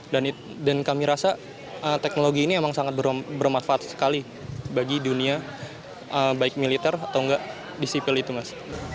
dan kami rasa teknologi ini memang sangat bermanfaat sekali bagi dunia baik militer atau enggak disipil itu mas